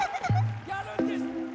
やるんです！